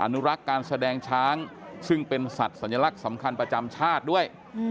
นุรักษ์การแสดงช้างซึ่งเป็นสัตว์สัญลักษณ์สำคัญประจำชาติด้วย